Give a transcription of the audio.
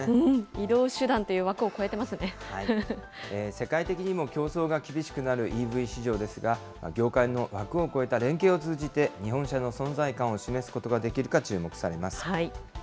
移動手段という枠を越えてま世界的にも競争が厳しくなるＥＶ市場ですが、業界の枠を越えた連携を通じて、日本車の存在感を示すことができるか注目されます。